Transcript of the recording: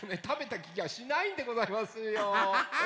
たべたきがしないんでございますよ。